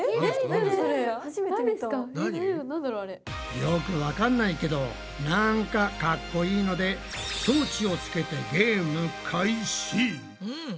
よくわかんないけどなんかかっこいいので装置をつけてゲーム開始！